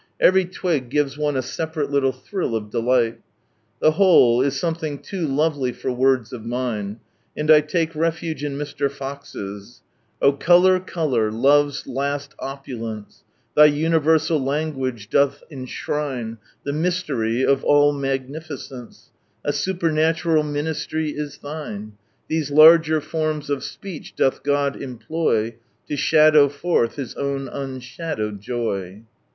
Every twig gives one a separate little thrill of delight. The whole is something too lovely for words of mine ; and I take refuge in Mr. Fox's —" Oh, colour, colour, Love's last opulence 1 Tby universal language doth enshrine The mystery of all m.Tgnificence, A supernatural ministry is thioe. These larger fonns of speech doth God employ To shadow forlli His Own unshadowed joy."